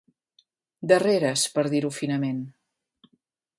Darreres, per dir-ho finament.